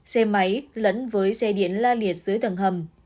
xe máy lẫn với xe điện la liệt dưới tầng hầm